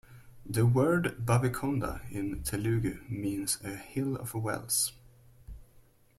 The word "Bavikonda" in Telugu means "a hill of wells".